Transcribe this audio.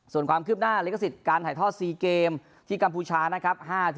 ส่วนความคืบหน้าลิขสิทธิ์การถ่ายทอด๔เกมที่กัมพูชานะครับ